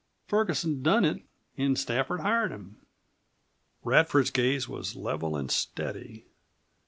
Ferguson done it an' Stafford hired him." Radford's gaze was level and steady.